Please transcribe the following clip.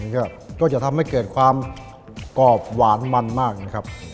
ก็จะทำให้เกิดความกรอบหวานมันมากนะครับ